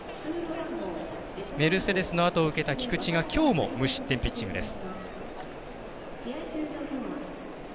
メルセデスのあとを受けた菊地がきょうも無失点ピッチングです。